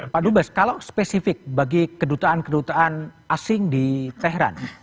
pak dubes kalau spesifik bagi kedutaan kedutaan asing di tehran